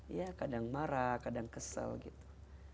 ya kadang marah kadang kesel gitu